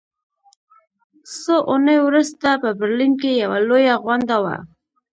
څو اونۍ وروسته په برلین کې یوه لویه غونډه وه